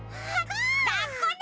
らっこね！